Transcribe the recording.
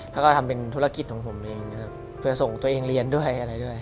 แล้วก็ทำเป็นธุรกิจของผมเองนะครับเพื่อส่งตัวเองเรียนด้วยอะไรด้วย